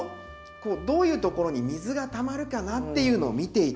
どういうところに水がたまるかなっていうのを見て頂いて。